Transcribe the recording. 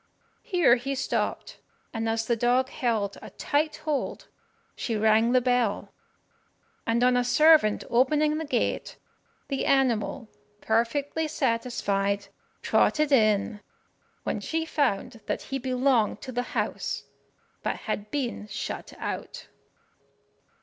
Here he stopped, and as the dog held a tight hold, she rang the bell; and on a servant opening the gate the animal, perfectly satisfied, trotted in, when she found that he belonged to the house, but had been shut out.